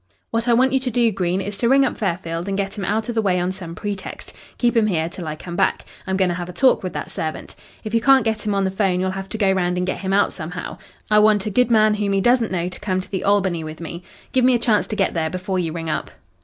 "What I want you to do, Green, is to ring up Fairfield and get him out of the way on some pretext. Keep him here till I come back. I'm going to have a talk with that servant. If you can't get him on the 'phone, you'll have to go round and get him out somehow. I want a good man whom he doesn't know to come to the Albany with me. Give me a chance to get there before you ring up."